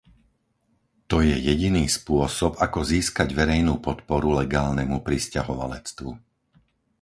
To je jediný spôsob, ako získať verejnú podporu legálnemu prisťahovalectvu.